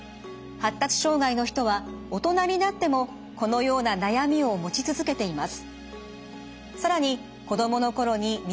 発達障害の人は大人になってもこのような悩みを持ち続けています。